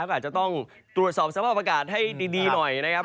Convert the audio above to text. ก็อาจจะต้องตรวจสอบสภาพอากาศให้ดีหน่อยนะครับ